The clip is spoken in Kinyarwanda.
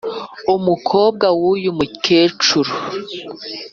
umukobwa w’uyu mukecuru